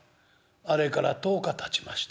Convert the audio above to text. あれから１０日たちました。